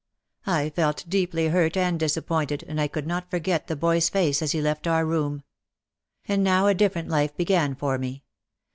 I felt deeply hurt and disappointed, and I could not forget the boy's face as he left our room. And now a different life began for me.